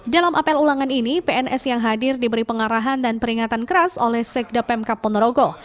dalam apel ulangan ini pns yang hadir diberi pengarahan dan peringatan keras oleh sekda pemkap ponorogo